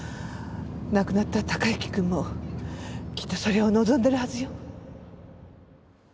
亡くなった孝之くんもきっとそれを望んでるはずよ。